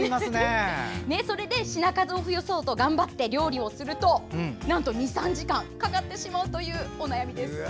それで品数を増やそうと頑張って料理をすると２３時間はかかってしまうというお悩みです。